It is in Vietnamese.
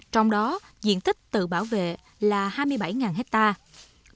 trong đó diện tích tự bảo vệ là hai mươi bảy hectare